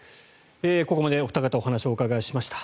ここまでお二方にお話をお伺いしました。